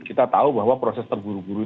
kita tahu bahwa proses tergurubah